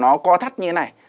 nó co thắt như thế này